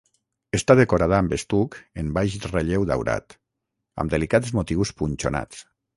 Està decorada amb estuc en baix relleu daurat, amb delicats motius punxonats.